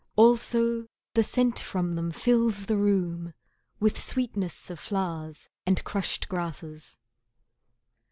Also the scent from them fills the room With sweetness of flowers and crushed grasses.